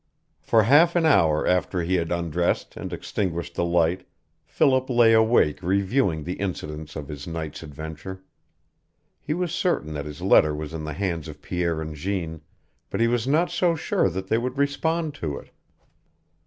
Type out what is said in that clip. For half an hour after he had undressed and extinguished the light Philip lay awake reviewing the incidents of his night's adventure. He was certain that his letter was in the hands of Pierre and Jeanne, but he was not so sure that they would respond to it.